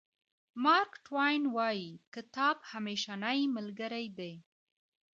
مارک ټواین وایي کتاب همېشنۍ ملګری دی.